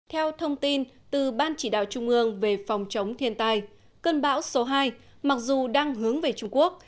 theo thông tin từ ban chỉ đạo trung ương về phòng chống thiên tai cơn bão số hai mặc dù đang hướng về trung quốc